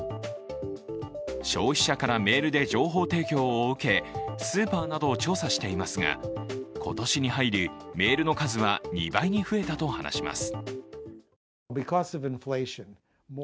消費者からメールで情報提供を受けスーパーなどを調査していますが、今年に入り、メールの数は２倍に増えたと話します。